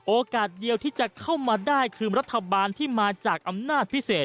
โอกาสเดียวที่จะเข้ามาได้คือรัฐบาลที่มาจากอำนาจพิเศษ